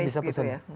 kita bisa pesen